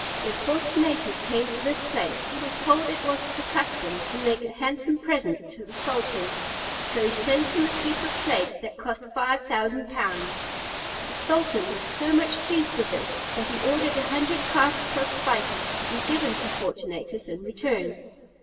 When Fortunatus came to this place, he was told it was the custom to make a handsome present to the sultan; so he sent him a piece of plate that cost five thousand pounds. The sultan was so much pleased with this, that he ordered a hundred casks of spices to be given to Fortunatus in return.